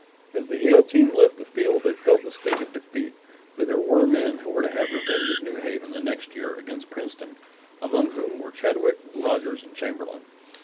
As the Yale team left the field, they felt the sting of defeat, but there were men who were to have revenge at New Haven the next year against Princeton, among whom were Chadwick, Rodgers and Chamberlain.